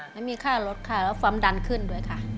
ไม่มีค่ารถค่ะแล้วความดันขึ้นด้วยค่ะ